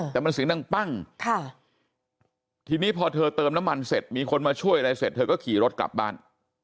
แต่มันเสียงดังปั้งทีนี้พอเธอเติมน้ำมันเสร็จมีคนมาช่วยอะไรเสร็จเธอก็ขี่รถกลับบ้าน